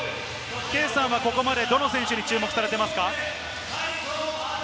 圭さんはここまでどの選手に注目されていますか？